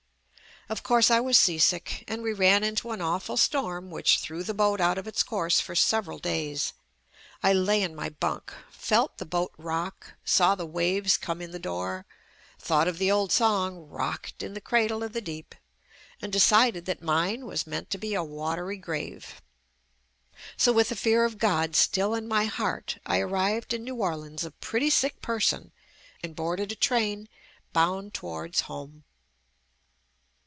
Of course, I was seasick, and we ran into an awful storm which threw the boat out of its course for several days. I lay in my bunk, felt the boat rock, saw the waves come in the door, thought of the old song "Rocked in the Cradle of the Deep" and decided that mine was meant to be JUST ME a watery grave. So with the fear of God still in my heart, I arrived in New Orleans a pretty sick person and boarded a train bound towards home.